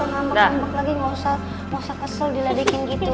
gak usah nge mock lagi gak usah kesel diladekin gitu